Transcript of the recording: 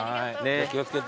気を付けて。